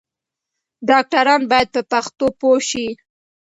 ډاکټران بايد په پښتو پوه شي.